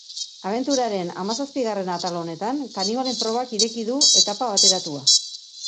Abenturaren hamazazpigarren atal honetan, kanibalen probak ireki du etapa bateratua.